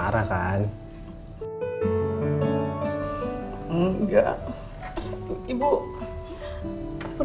gitu roles abuak